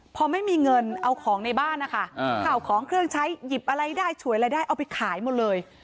พอไม่มีเงินเอาของในบ้านนะคะข่าวของเครื่องใช้หยิบอะไรได้ฉวยอะไรได้เอาไปขายหมดเลย